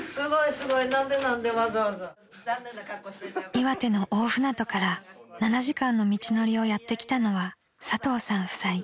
［岩手の大船渡から７時間の道のりをやって来たのは佐藤さん夫妻］